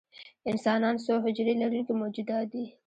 انسانان څو حجرې لرونکي موجودات دي